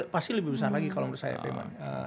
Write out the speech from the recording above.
pasti lebih besar lagi kalau menurut saya memang